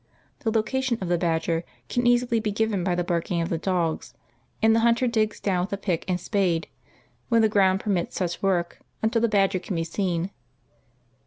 The location of the badger can easily be given by the barking of the dogs, and the hunter digs down with pick and spade, when the ground permits such work, until the badger can be seen.